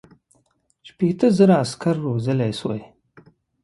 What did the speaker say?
شپېته زره عسکر روزلای سوای.